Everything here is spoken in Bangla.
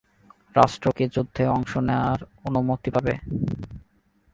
রাষ্ট্র কি যুদ্ধে অংশ নেয়ার অনুমতি পাবে?